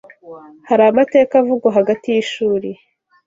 Hari amateka avugwa hagati y’ishuri